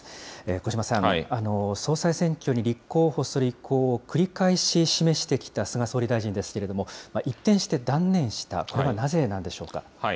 小嶋さん、総裁選挙に立候補する意向を繰り返し示してきた菅総理大臣ですけれども、一転して断念した、これはなぜなんでしょうか。